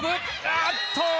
あっとー！